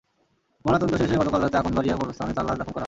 ময়নাতদন্ত শেষে গতকাল রাতে আকন্দবাড়িয়া কবরস্থানে তাঁর লাশ দাফন করা হয়।